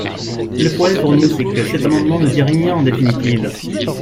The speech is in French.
Le problème, pour nous, c’est que cet amendement ne dit rien en définitive.